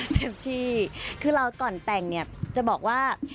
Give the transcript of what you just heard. เจ็บชี้คือเราก่อนแต่งจะบอกว่า